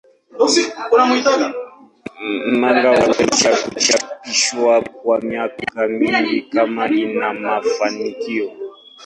Manga huweza kuchapishwa kwa miaka mingi kama ina mafanikio.